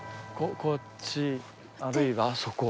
こっちあるいはそこ。